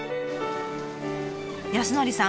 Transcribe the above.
康典さん